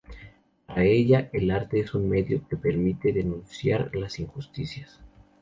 Para ella, el arte es un medio que permite denunciar las injusticias.